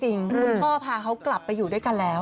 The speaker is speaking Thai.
คุณพ่อพาเขากลับไปอยู่ด้วยกันแล้ว